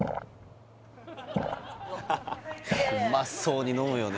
うまそうに飲むよね・